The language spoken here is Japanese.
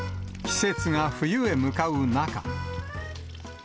季節が冬へ向かう中。